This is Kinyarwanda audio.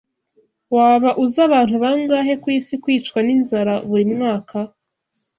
Waba uzi abantu bangahe kwisi kwicwa ninzara buri mwaka?